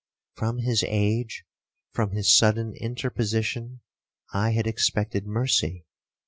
From his age, from his sudden interposition, I had expected mercy.